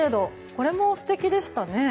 これも素敵でしたね。